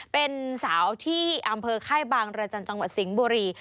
เป็นสาวที่อำเภอค่ายบางรจันทร์จังหวัดสิงห์บุรี